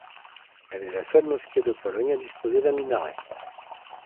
Elle est la seule mosquée de Pologne à disposer d'un minaret.